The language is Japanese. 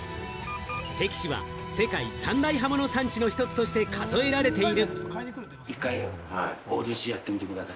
関市は世界三大刃物産地の一つとして数えられている。